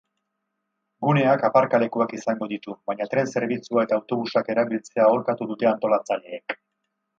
Guneak aparkalekuak izango ditu, baina tren-zerbitzua eta autobusak erabiltzea aholkatu dute antolatzaileek.